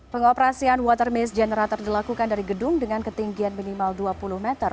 pengoperasian water mist generator dilakukan dari gedung dengan ketinggian minimal dua puluh meter